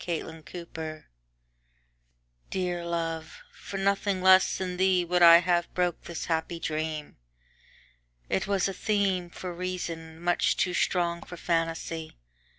The Dream DEAR love, for nothing less than theeWould I have broke this happy dream; It was a themeFor reason, much too strong for fantasy.